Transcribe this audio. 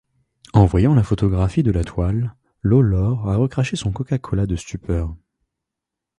En voyant la photographie de la toile, Lawlor a recraché son Coca-Cola de stupeur.